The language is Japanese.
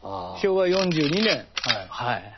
昭和４２年はい。